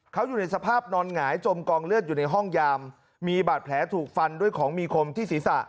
เขาอยู่ในสภาพนอนหงายจมกองเลือดอยู่ในห้องยามมีบาดแผลถูกฟันด้วยของมีคมที่ศีรษะ